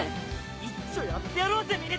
いっちょやってやろうぜ峰田！